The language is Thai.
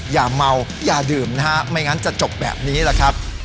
อย่าเมาอย่าดื่มนะฮะไม่งั้นจะจบแบบนี้แหละครับ